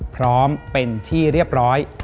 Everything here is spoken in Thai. พร้อมเป็นที่เรียบร้อย